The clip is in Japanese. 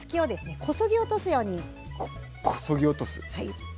こそぎ落とす？